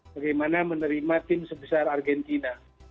bagaimana menerima tim sebesar argentina